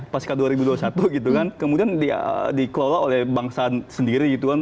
pasca dua ribu dua puluh satu gitu kan kemudian dikelola oleh bangsa sendiri gitu kan